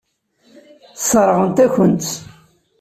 Sseṛɣent-akent-tt.